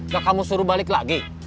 ya kamu suruh balik lagi